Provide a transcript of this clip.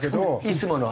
いつもの。